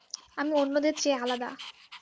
আমি অন্যদের চেয়ে আলাদা।